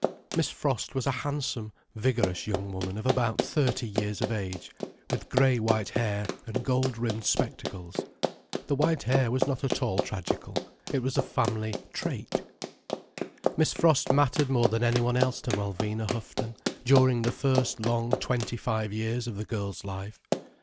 Miss Frost was a handsome, vigorous young woman of about thirty years of age, with grey white hair and gold rimmed spectacles. The white hair was not at all tragical: it was a family trait. Miss Frost mattered more than any one else to Alvina Houghton, during the first long twenty five years of the girl's life.